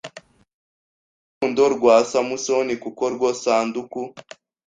urukundo rwa Samusoni kuko rwo sanduku